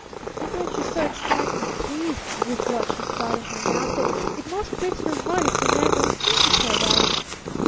And then she's so excited and pleased with what she's got in her mouth that it 'most breaks her heart if her man don't seem to care about it.